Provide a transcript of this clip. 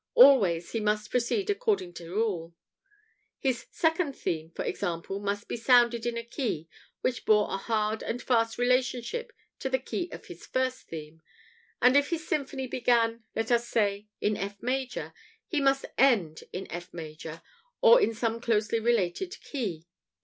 Always he must proceed according to rule. His "second theme," for example, must be sounded in a key which bore a hard and fast relationship to the key of his "first theme"; and if his symphony began, let us say, in F major, it must end in F major, or in some closely related key.